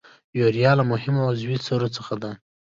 یوریا له مهمو عضوي سرو څخه ده.